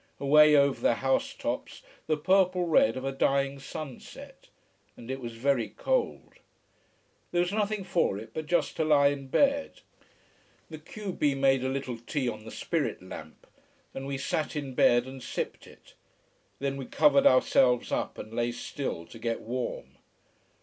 Away over the house tops the purple red of a dying sunset. And it was very cold. There was nothing for it but just to lie in bed. The q b made a little tea on the spirit lamp, and we sat in bed and sipped it. Then we covered ourselves up and lay still, to get warm.